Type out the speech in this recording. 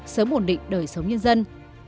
sớm ổn định đời sống nhân dân